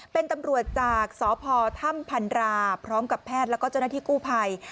เป็นตำรวจจากสพถ้ำพันราพร้อมกับแพทย์แล้วก็เจ้าหน้าที่กู้ภัย